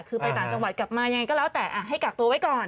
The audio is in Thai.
คือไปต่างจังหวัดกลับมายังไงก็แล้วแต่ให้กักตัวไว้ก่อน